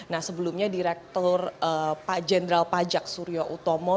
nah sebelumnya direktur pak jenderal pajak surya utomo